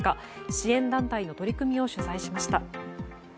支援団体の取り組みを取材しました。